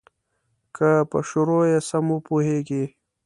که په شروع یې سم وپوهیږې.